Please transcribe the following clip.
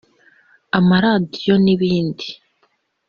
amaradiyo n’ibindi